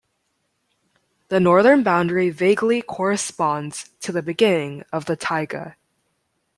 The northern boundary vaguely corresponds to the beginning of the Taiga.